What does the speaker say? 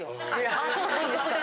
ああそうなんですか。